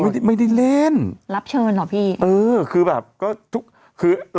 ไม่ได้ไม่ได้เล่นรับเชิญเหรอพี่เออคือแบบก็ทุกคือ